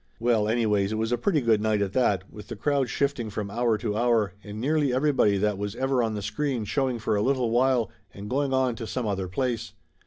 Well, anyways, it was a pretty good night at that, with the crowd shifting from hour to hour, and nearly everybody that was ever on the screen showing for a little while, and going on to some other place.